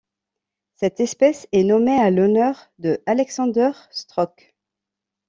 Cette espèce est nommée en l'honneur de Alexander Strauch.